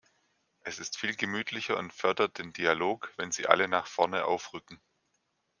Es ist viel gemütlicher und fördert den Dialog, wenn Sie alle nach vorne aufrücken.